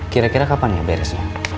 kira kira kapan ya beresnya